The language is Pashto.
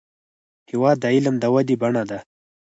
هېواد د علم د ودې بڼه ده.